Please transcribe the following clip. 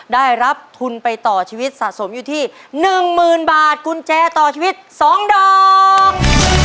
ได้รับทุนไปต่อชีวิตสะสมอยู่ที่๑๐๐๐บาทกุญแจต่อชีวิต๒ดอก